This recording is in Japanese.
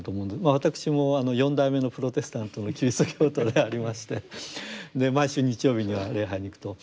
私も４代目のプロテスタントのキリスト教徒でありまして毎週日曜日には礼拝に行くと。